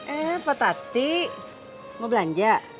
eh patati mau belanja